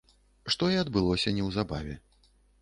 Што і адбылося неўзабаве.